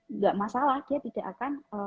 nggak masalah dia tidak akan